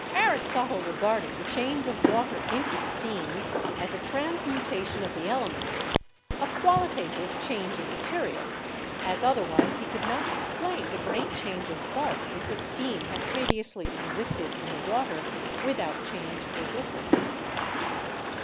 Aristotle regarded the change of water into steam as a transmutation of the elements, a qualitative change of material, as otherwise he could not explain the great change of bulk if the steam had pre viously existed in the water without change or difference.